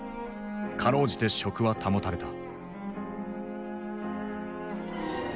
かろうじて職は保たれた。